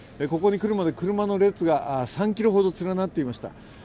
ここに来るまで車の列が３ｋｍほど連なっていました。